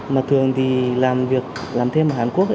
mà thường thì làm việc làm thêm ở hàn quốc